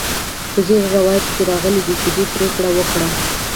په ځینو روایتونو کې راغلي چې دوی پریکړه وکړه.